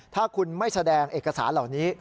ถ้าคุณไม่แสดงเอกสารเหล่านี้